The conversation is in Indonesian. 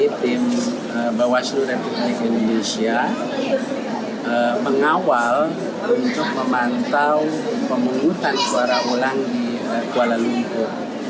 pengawasan ulekar untuk memastikan pengumutan suara ulang di kuala lumpur